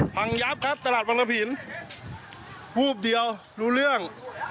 พังยับครับตลาดวังกระผินวูบเดียวรู้เรื่อง